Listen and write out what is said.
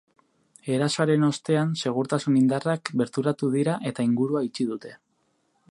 Erasoaren ostean, segurtasun indarrak bertaratu dira, eta ingurua itxi dute.